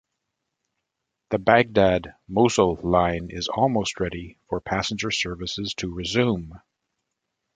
The Baghdad - Mosul line is almost ready for passenger services to resume.